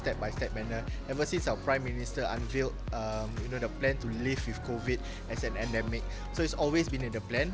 sejak saat pemerintah tniw menunjukkan rencana untuk hidup dengan covid sembilan belas sebagai pandemi ini selalu menjadi rencana